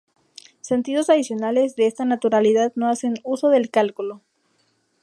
Sentidos adicionales de esta naturalidad no hacen uso del cálculo.